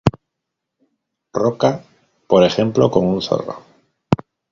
Roca por ejemplo con un zorro.